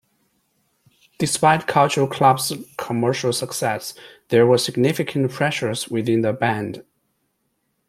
Despite Culture Club's commercial success, there were significant pressures within the band.